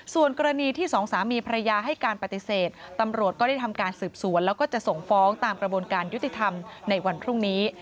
ส่วนกรณีที่สองสามีภรรยาให้การปฏิเสธตำรวจก็ได้ทำการสืบสวนแล้วก็จะส่งฟ้องตามกระบวนการยุติธรรมในวันพรุ่งนี้